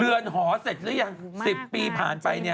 เรือนหอเสร็จหรือยัง๑๐ปีผ่านไปเนี่ย